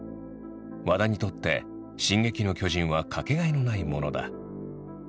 和田にとって「進撃の巨人」はかけがえのないものだ。